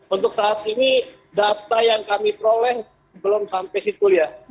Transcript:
untuk saat ini data yang kami peroleh belum sampai sikul ya